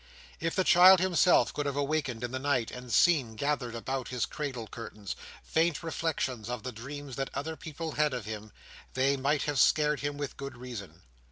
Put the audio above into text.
If the child himself could have awakened in the night, and seen, gathered about his cradle curtains, faint reflections of the dreams that other people had of him, they might have scared him, with good reason.